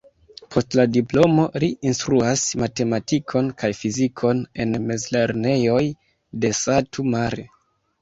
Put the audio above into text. Post la diplomo li instruas matematikon kaj fizikon en mezlernejoj de Satu Mare.